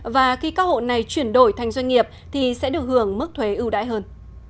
và khi các hộ này chuyển đổi thành doanh nghiệp thì sẽ được hưởng mức thuế ưu đãi hơn